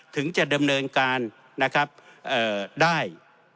ถึงจะดำเนินการได้